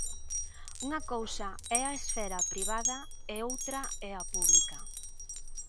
Unha cousa é a esfera privada e outra é a pública.